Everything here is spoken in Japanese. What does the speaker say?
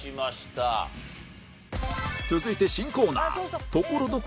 続いて新コーナー